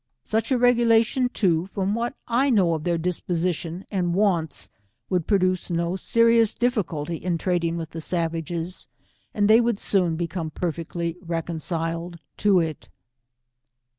Such a regulation too, from what I know of their disposition and wants, would produce qo serious diflSculty is tradiifjg with 115 the savages, and they would soon beco«e perfectly reconciled to it.